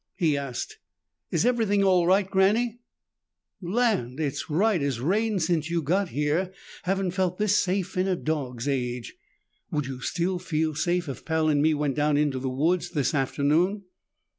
He asked, "Is everything all right, Granny?" "Land! It's right as rain since you got here. Haven't felt this safe in a dog's age." "Would you still feel safe if Pal and me went down in the woods this afternoon?"